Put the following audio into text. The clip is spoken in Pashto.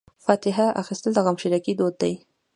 فاتحه اخیستل د غمشریکۍ دود دی.